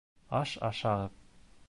Аш ашағыҙ!